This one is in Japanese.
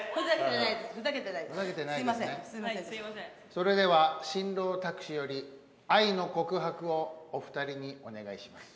それでは新郎卓志より愛の告白をお二人にお願いします。